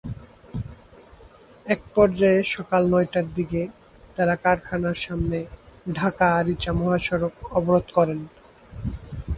একপর্যায়ে সকাল নয়টার দিকে তাঁরা কারখানার সামনে ঢাকা-আরিচা মহাসড়ক অবরোধ করেন।